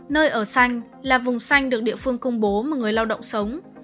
nơi ở xanh là vùng xanh được địa phương công bố mà người lao động sống